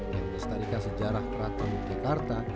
yang menestarikan sejarah keraton yogyakarta